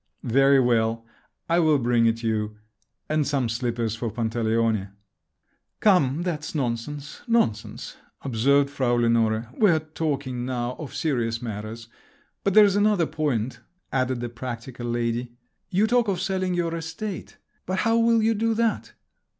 "Very well, I will bring it you … and some slippers for Pantaleone." "Come, that's nonsense, nonsense," observed Frau Lenore. "We are talking now of serious matters. But there's another point," added the practical lady. "You talk of selling your estate. But how will you do that?